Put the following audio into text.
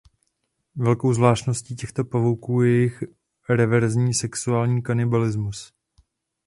Velkou zvláštností těchto pavouků je jejich reverzní sexuální kanibalismus.